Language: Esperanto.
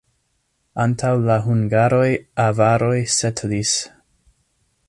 Antaŭ la hungaroj avaroj setlis.